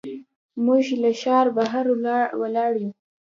موږ له ښار بهر ولاړ یو.